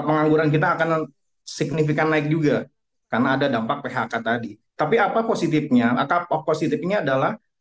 pengangguran kita akan signifikan naik juga karena ada dampak phk tadi tapi apa positifnya positifnya adalah